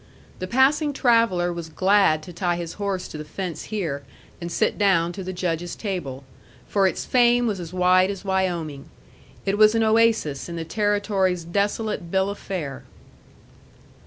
The passing traveller was glad to tie his horse to the fence here, and sit down to the Judge's table. For its fame was as wide as Wyoming. It was an oasis in the Territory's desolate bill of fare.